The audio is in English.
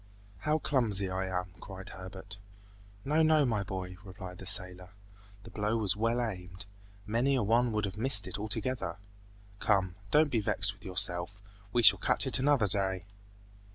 "How clumsy I am!" cried Herbert. "No, no, my boy!" replied the sailor. "The blow was well aimed; many a one would have missed it altogether! Come, don't be vexed with yourself. We shall catch it another day!"